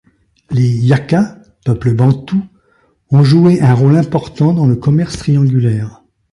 Les Yaka, peuple bantou, ont joué un rôle important dans le commerce triangulaire.